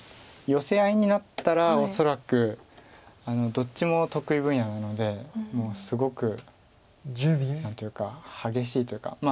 ヨセ合いになったら恐らくどっちも得意分野なのですごく何というか激しいというか。